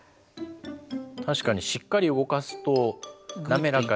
確かにしっかり動かすと滑らかに。